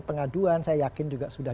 pengaduan saya yakin juga sudah